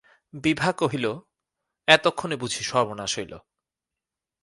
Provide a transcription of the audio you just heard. বিভা কহিল, এতক্ষণে বুঝি সর্বনাশ হইল!